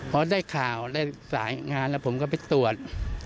พอได้ข่าวได้สายงานแล้วผมก็ไปตรวจ